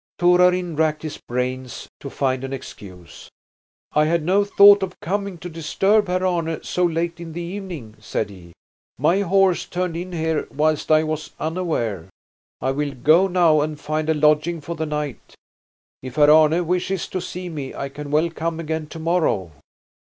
Torarin racked his brains to find an excuse. "I had no thought of coming to disturb Herr Arne so late in the evening," said he. "My horse turned in here whilst I was unaware. I will go now and find a lodging for the night. If Herr Arne wishes to see me, I can well come again tomorrow."